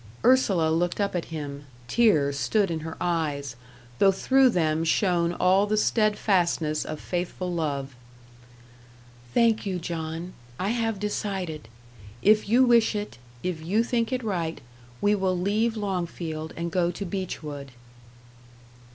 Ursula looked up at him; tears stood in her eyes, though through them shone all the steadfastness of faithful love. "Thank you, John. I have decided. If you wish it, if you think it right, we will leave Longfield and go to Beechwood."